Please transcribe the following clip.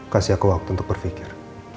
kasih aku waktu untuk berpikir